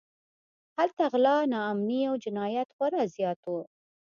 هلته غلا، ناامنۍ او جنایت خورا زیات و.